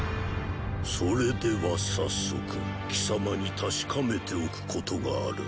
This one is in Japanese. それでは早速貴様に確かめておくことがある。